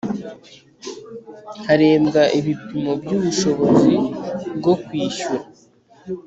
Harebwa ibipimo by’ubushobozi bwo kwishyura